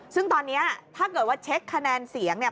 ซึ่งตอนนี้ถ้าเกิดว่าเช็คคะแนนเสียงเนี่ย